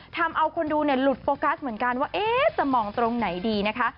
ทำเอาคนดูหลุดโฟกัสเหมือนกันว่าจะมองตรงไหนดีนะคะ